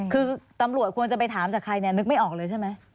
คือตำรวจควรจะไปถามจากใครเนี่ยนึกไม่ออกเลยใช่ไหม